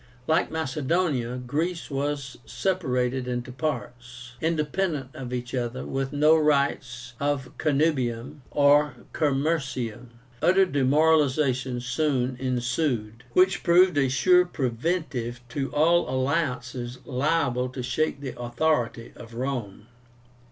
Like Macedonia, Greece was separated into parts, independent of each other, with no rights of connubium or commercium. Utter demoralization soon ensued, which proved a sure preventive to all alliances liable to shake the authority of Rome.